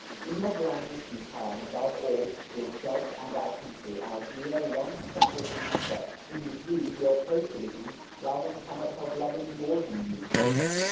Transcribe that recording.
In your blindness you harm, above all, yourself and our country, our dear, long suffering Russia, whom the Jews, your co citizens, love and cannot help loving more than you do.